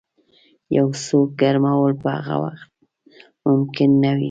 یو څوک ګرمول په همغه وخت ممکن نه وي.